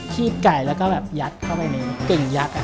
ชีดไก่เขยัดเข้าไปในกึ่งยัด